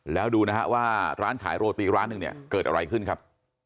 แล้วดูนะฮะว่าร้านขายโรตีร้านหนึ่งเนี่ยเกิดอะไรขึ้นครับ